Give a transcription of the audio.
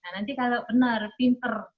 nanti kalau benar pinter